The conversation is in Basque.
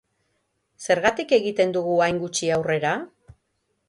Zergatik egiten dugu hain gutxi aurrera?